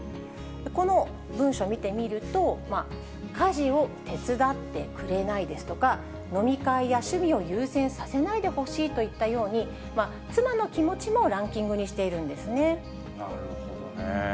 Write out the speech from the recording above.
この文書見てみると、家事を手伝ってくれないですとか、飲み会や趣味を優先させないでほしいといったように、妻の気持ちなるほどね。